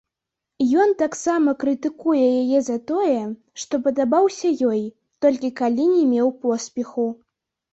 Ён таксама крытыкуе яе за тое, што падабаўся ёй, толькі калі не меў поспеху.